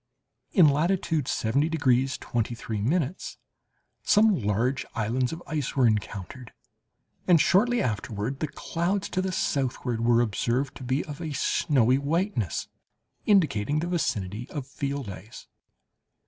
In latitude 70 degrees 23' some large islands of ice were encountered, and shortly afterward the clouds to the southward were observed to be of a snowy whiteness, indicating the vicinity of field ice.